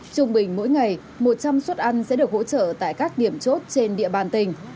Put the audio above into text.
trung bình mỗi ngày một trăm linh suất ăn sẽ được hỗ trợ tại các điểm chốt trên địa bàn tỉnh